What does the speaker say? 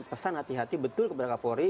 pesan hati hati betul kepada kapolri